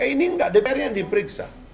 eh ini nggak dpr nya yang diperiksa